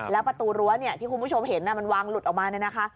แล้วประตูรั้วเนี่ยที่คุณผู้ชมเห็นมันวางหลุดออกมาเนี่ยนะคะ